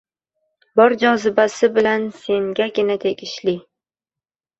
Bor jozibasi bilan sengagina tegishli.